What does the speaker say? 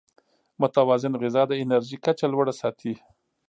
متوازن غذا د انرژۍ کچه لوړه ساتي.